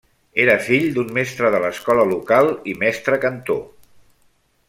Era fill d'un mestre de l'escola local i mestre cantor.